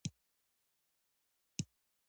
ته ولي داسي کوي